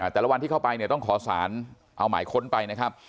แต่ละวันที่เข้าไปเนี่ยต้องขอสารเอาหมายค้นไปนะครับ